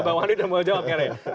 bang wandi sudah mau jawab kan ya